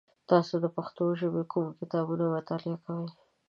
تاسو د پښتو ژبې کوم کتابونه مطالعه کوی؟